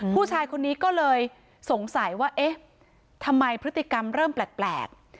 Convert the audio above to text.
ผู้ชายคนนี้ก็เลยสงสัยว่าเอ๊ะทำไมพฤติกรรมเริ่มแปลก